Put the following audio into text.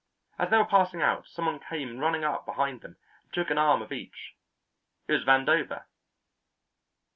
As they were passing out some one came running up behind them and took an arm of each: it was Vandover.